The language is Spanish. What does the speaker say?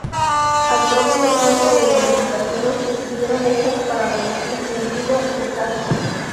Al propio tiempo las modificaciones estuvieron hechas para reducir el ruido del casco.